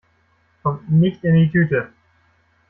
Kommt nicht in die Tüte!